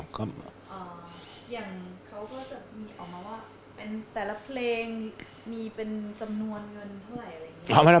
อย่างเขาก็จะมีออกมาว่าเป็นแต่ละเพลงมีเป็นจำนวนเงินเท่าไหร่อะไรอย่างนี้